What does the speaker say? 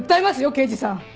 刑事さん！